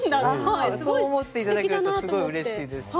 そう思って頂けるとすごいうれしいです。